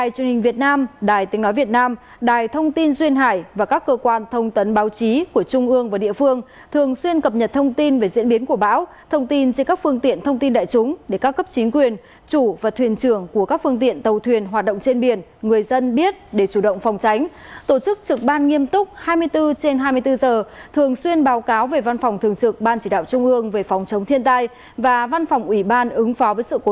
các đơn vị trên thường xuyên theo dõi diễn biến của báo trên các phương tiện thông tin đại chúng giữ liên lạc thường xuyên với chủ và thuyền trưởng của các phương tiện tàu thuyền để thông tin xử lý kịp thời các tình huống có thể xảy ra sẵn sàng lực lượng cứu hộ cứu nạn khi có yêu cầu